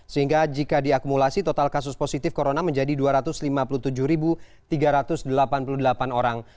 sehingga jika diakumulasi total kasus positif corona menjadi dua ratus lima puluh tujuh tiga ratus delapan puluh delapan orang